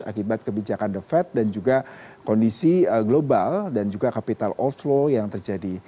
akibat kebijakan the fed dan juga kondisi global dan juga capital outflow yang terjadi